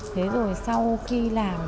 thế rồi sau khi làm